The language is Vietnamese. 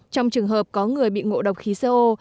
trong trường hợp có người bị ngộ độc khí co